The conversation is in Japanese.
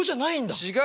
違う。